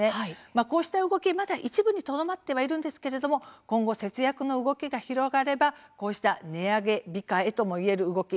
こうした動き、まだ一部にとどまっているんですが今後、節約の動きが広がればこうした値上げ控えとも言える動き